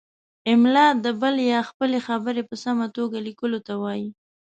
املاء د بل یا خپلې خبرې په سمه توګه لیکلو ته وايي.